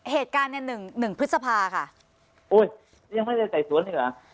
เหตุการณ์เนี่ยหนึ่งหนึ่งพฤษภาค่ะโอ้ยยังไม่ได้ไต่สวนอีกเหรอ